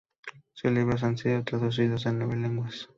Sus libros han sido traducidos a nueve lenguas.